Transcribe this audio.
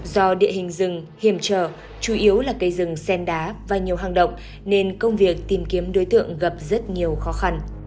do địa hình rừng hiểm trở chủ yếu là cây rừng sen đá và nhiều hang động nên công việc tìm kiếm đối tượng gặp rất nhiều khó khăn